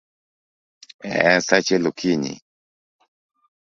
En saa achiel okinyi